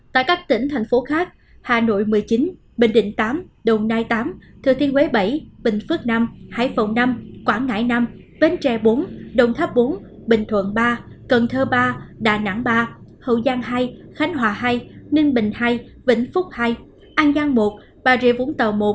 tại các tỉnh thành phố khác hà nội một mươi chín bình định tám đồng nai tám thừa thiên huế bảy bình phước nam hải phòng năm quảng ngãi năm bến tre bốn đồng tháp bốn bình thuận ba cần thơ ba đà nẵng ba hậu giang hai khánh hòa hai ninh bình hai vĩnh phúc hai an giang một bà rịa vũng tàu một